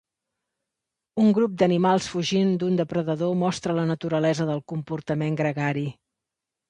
Un grup d'animals fugint d'un depredador mostra la naturalesa del comportament gregari.